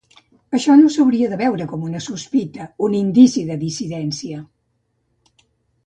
Això no s’hauria de veure com una sospita, un indici, de dissidència.